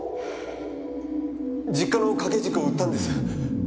実家の掛け軸を売ったんです。